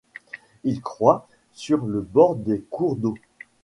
Il croît sur le bord des cours d'eau.